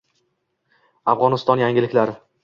Afg‘oniston yangiliklari